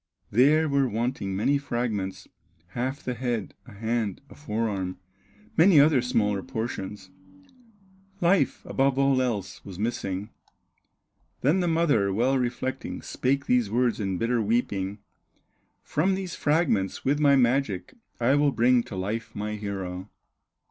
There were wanting many fragments, Half the head, a hand, a fore arm, Many other smaller portions, Life, above all else, was missing. Then the mother, well reflecting, Spake these words in bitter weeping: "From these fragments, with my magic, I will bring to life my hero."